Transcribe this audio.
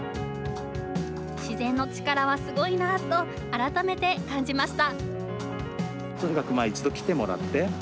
自然の力はすごいなと改めて感じました。